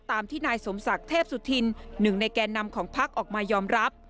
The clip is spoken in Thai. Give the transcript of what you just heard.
ตามที่นายสมศักดิ์เทพสุธินหนึ่งในแก่นำของพักออกมายอมรับ